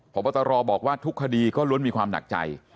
พบตรบอกว่าทุกคดีก็ล้วนมีความหนักใจ